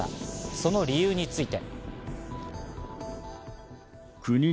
その理由について。